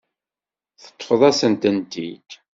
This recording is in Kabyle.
Teṭṭfeḍ-asent-tent-id.